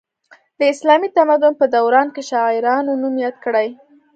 د اسلامي تمدن په دوران کې شاعرانو نوم یاد کړی.